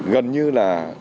gần như là